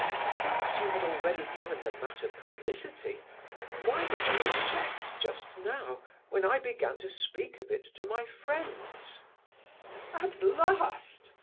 Since you had already given the matter publicity, why did you object just now, when I began to speak of it to my friends?" "At last!"